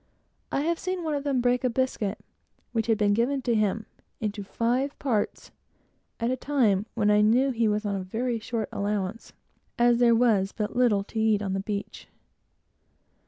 I have seen one of them break a biscuit, which had been given him, into five parts, at a time when I knew he was on a very short allowance, as there was but little to eat on the beach.